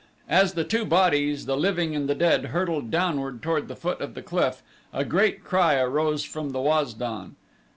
As the two bodies, the living and the dead, hurtled downward toward the foot of the cliff a great cry arose from the Waz don.